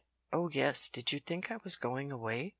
"Oh yes. Did you think I was going away?"